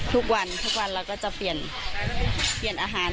ทุกวันทุกวันเราก็จะเปลี่ยนอาหาร